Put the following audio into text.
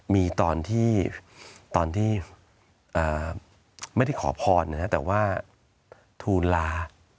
มีตอนที่ไม่ได้ขอพรนะแต่ว่าทูลลา